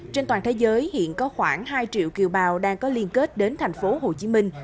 trên toàn thế giới hiện có khoảng hai triệu kiều bào đang có liên kết đến thành phố hồ chí minh